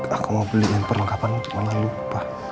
aku mau beliin perlengkapan untuk malah lupa